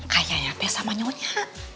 kayaknya teh sama nyonya